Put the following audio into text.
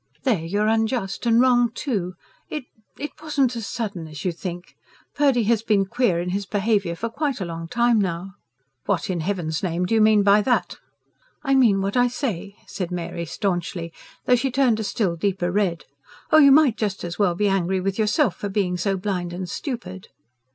"There you're unjust. And wrong, too. It ... it wasn't as sudden as you think. Purdy has been queer in his behaviour for quite a long time now." "What in Heaven's name do you mean by that?" "I mean what I say," said Mary staunchly, though she turned a still deeper red. "Oh, you might just as well be angry with yourself for being so blind and stupid."